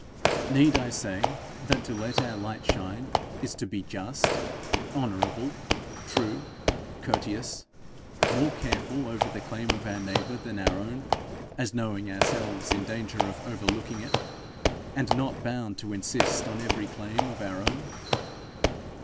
Need I say that to let our light shine is to be just, honourable, true, courteous, more careful over the claim of our neighbour than our own, as knowing ourselves in danger of overlooking it, and not bound to insist on every claim of our own!